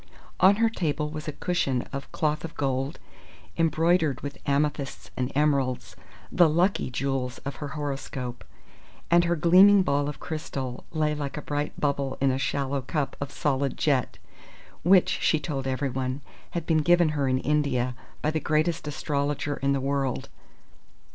On her table was a cushion of cloth of gold, embroidered with amethysts and emeralds, the "lucky" jewels of her horoscope; and her gleaming ball of crystal lay like a bright bubble in a shallow cup of solid jet which, she told everyone, had been given her in India by the greatest astrologer in the world.